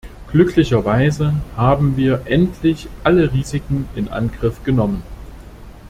Glücklicherweise haben wir endlich alle Risiken in Angriff genommen.